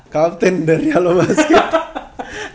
captain dari halo basket